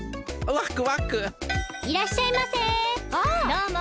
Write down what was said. どうも！